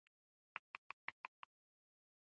د جنوب غرب په لور پرته ده،